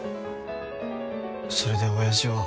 それで親父は。